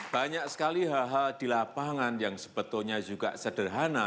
banyak sekali hal hal di lapangan yang sebetulnya juga sederhana